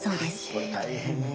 これ大変よ。